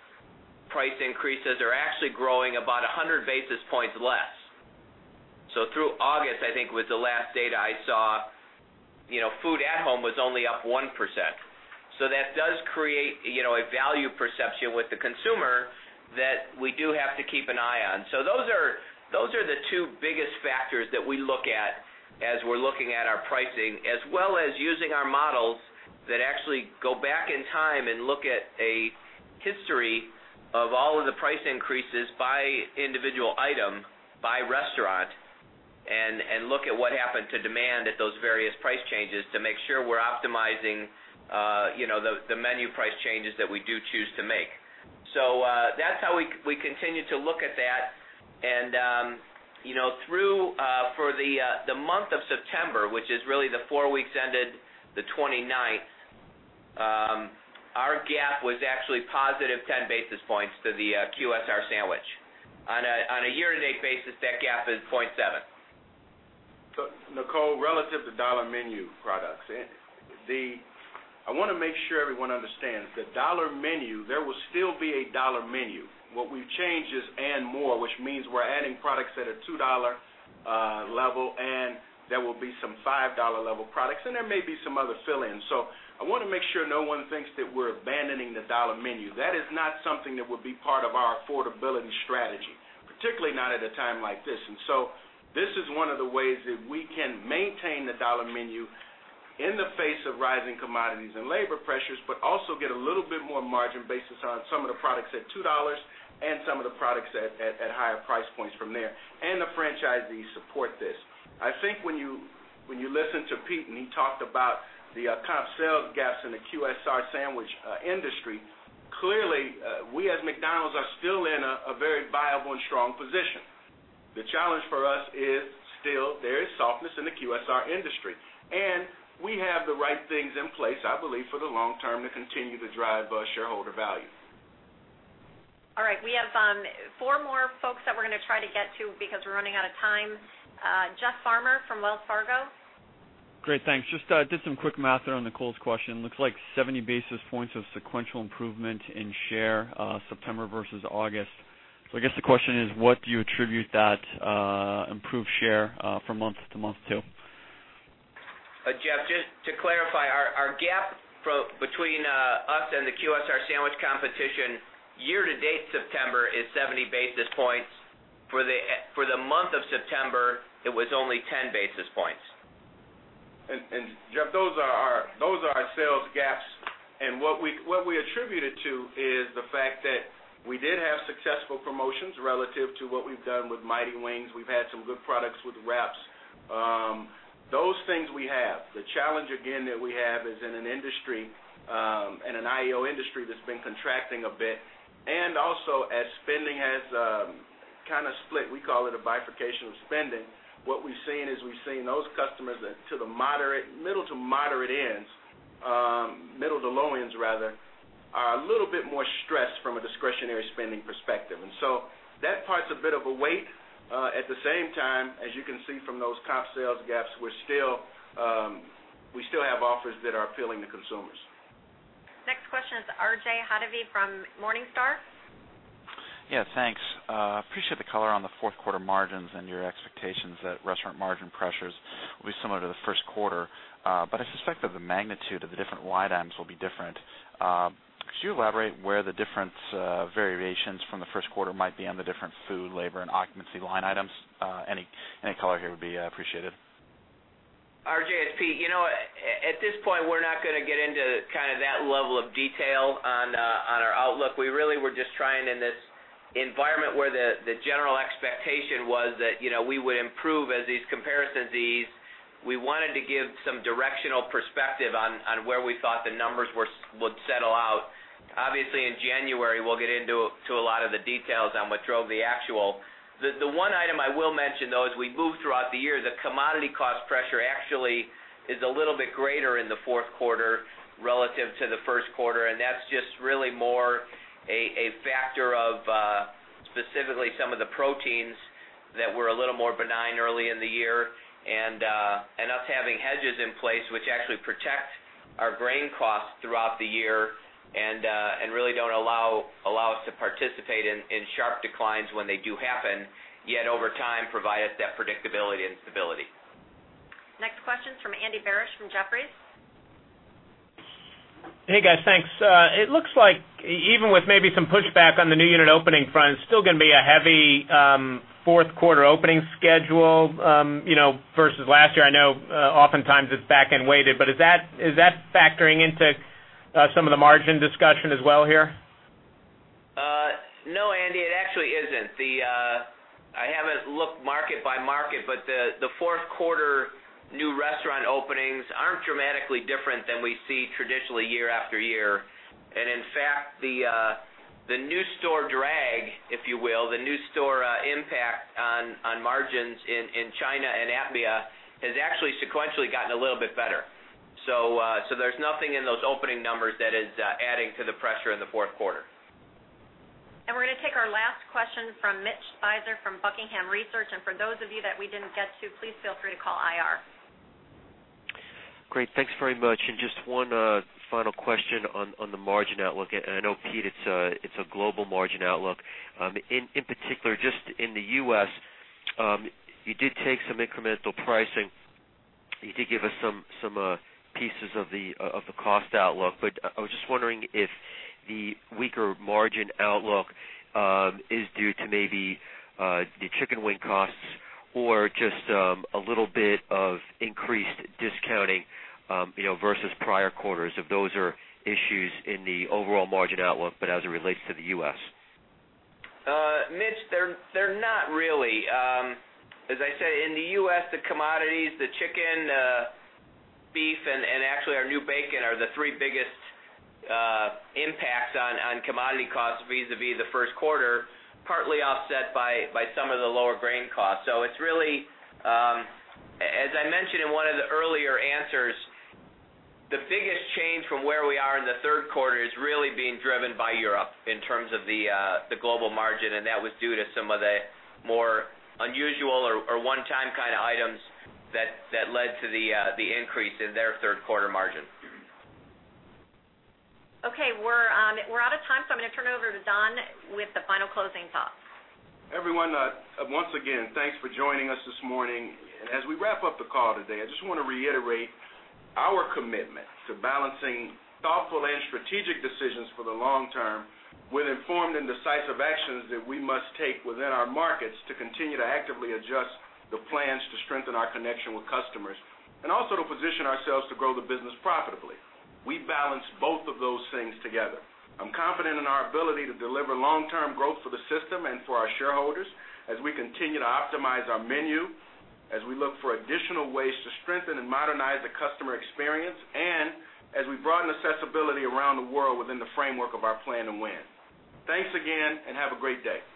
price increases are actually growing about 100 basis points less. Through August, I think was the last data I saw, food at home was only up 1%. That does create a value perception with the consumer that we do have to keep an eye on. Those are the two biggest factors that we look at as we're looking at our pricing, as well as using our models that actually go back in time and look at a history of all of the price increases by individual item, by restaurant, and look at what happened to demand at those various price changes to make sure we're optimizing the menu price changes that we do choose to make. That's how we continue to look at that. For the month of September, which is really the four weeks ended the 29th. Our gap was actually positive 10 basis points to the QSR sandwich. On a year-to-date basis, that gap is 0.7. Nicole, relative to Dollar Menu products, I want to make sure everyone understands the Dollar Menu, there will still be a Dollar Menu. What we've changed is And More, which means we're adding products at a $2 level, and there will be some $5 level products, and there may be some other fill-ins. I want to make sure no one thinks that we're abandoning the Dollar Menu. That is not something that would be part of our affordability strategy, particularly not at a time like this. This is one of the ways that we can maintain the Dollar Menu in the face of rising commodities and labor pressures, but also get a little bit more margin basis on some of the products at $2 and some of the products at higher price points from there. The franchisees support this. I think when you listened to Pete and he talked about the comp sales gaps in the QSR sandwich industry, clearly, we, as McDonald’s, are still in a very viable and strong position. The challenge for us is still there is softness in the QSR industry. We have the right things in place, I believe, for the long term to continue to drive shareholder value. All right. We have four more folks that we're going to try to get to because we're running out of time. Jeff Farmer from Wells Fargo. Great, thanks. Just did some quick math there on Nicole’s question. Looks like 70 basis points of sequential improvement in share September versus August. I guess the question is, what do you attribute that improved share from month to month to? Jeff, just to clarify, our gap between us and the QSR sandwich competition year to date September is 70 basis points. For the month of September, it was only 10 basis points. Jeff, those are our sales gaps. What we attribute it to is the fact that we did have successful promotions relative to what we've done with Mighty Wings. We've had some good products with McWraps. Those things we have. The challenge again that we have is in an industry, in an IEO industry that's been contracting a bit. Also as spending has kind of split, we call it a bifurcation of spending, what we've seen is we've seen those customers into the middle to moderate ends, middle to low ends rather, are a little bit more stressed from a discretionary spending perspective. That part's a bit of a weight. At the same time, as you can see from those comp sales gaps, we still have offers that are appealing to consumers. Next question is R.J. Hottovy from Morningstar. Yeah, thanks. Appreciate the color on the fourth quarter margins and your expectations that restaurant margin pressures will be similar to the first quarter. I suspect that the magnitude of the different line items will be different. Could you elaborate where the different variations from the first quarter might be on the different food, labor, and occupancy line items? Any color here would be appreciated. RJ, it's Pete. At this point, we're not going to get into that level of detail on our outlook. We really were just trying in this environment where the general expectation was that we would improve as these comparisons ease. We wanted to give some directional perspective on where we thought the numbers would settle out. Obviously, in January, we'll get into a lot of the details on what drove the actual. The one item I will mention, though, as we move throughout the year, the commodity cost pressure actually is a little bit greater in the fourth quarter relative to the first quarter, and that's just really more a factor of specifically some of the proteins that were a little more benign early in the year and us having hedges in place, which actually protect our grain costs throughout the year and really don't allow us to participate in sharp declines when they do happen, yet over time, provide us that predictability and stability. Next question is from Andy Barish from Jefferies. Hey, guys. Thanks. It looks like even with maybe some pushback on the new unit opening front, it's still going to be a heavy fourth quarter opening schedule versus last year. I know oftentimes it's back-end weighted, is that factoring into some of the margin discussion as well here? No, Andy, it actually isn't. I haven't looked market by market, the fourth quarter new restaurant openings aren't dramatically different than we see traditionally year after year. In fact, the new store drag, if you will, the new store impact on margins in China and APMEA has actually sequentially gotten a little bit better. There's nothing in those opening numbers that is adding to the pressure in the fourth quarter. We're going to take our last question from Mitch Speiser from Buckingham Research. For those of you that we didn't get to, please feel free to call IR. Great. Thanks very much. Just one final question on the margin outlook, I know, Pete, it's a global margin outlook. In particular, just in the U.S., you did take some incremental pricing. You did give us some pieces of the cost outlook. I was just wondering if the weaker margin outlook is due to maybe the chicken wing costs or just a little bit of increased discounting versus prior quarters, if those are issues in the overall margin outlook but as it relates to the U.S. Mitch, they're not really. As I said, in the U.S., the commodities, the chicken, beef, and actually our new bacon are the three biggest impacts on commodity costs vis-à-vis the first quarter, partly offset by some of the lower grain costs. It's really, as I mentioned in one of the earlier answers, the biggest change from where we are in the third quarter is really being driven by Europe in terms of the global margin, and that was due to some of the more unusual or one-time kind of items that led to the increase in their third quarter margin. Okay. We're out of time, I'm going to turn it over to Don with the final closing thoughts. Everyone, once again, thanks for joining us this morning. As we wrap up the call today, I just want to reiterate our commitment to balancing thoughtful and strategic decisions for the long term with informed and decisive actions that we must take within our markets to continue to actively adjust the plans to strengthen our connection with customers and also to position ourselves to grow the business profitably. We balance both of those things together. I'm confident in our ability to deliver long-term growth for the system and for our shareholders as we continue to optimize our menu, as we look for additional ways to strengthen and modernize the customer experience, and as we broaden accessibility around the world within the framework of our Plan to Win. Thanks again, and have a great day.